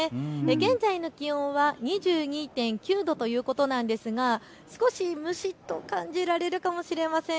現在の気温は２２．９度ということなんですが少し蒸しっと感じられるかもしれません。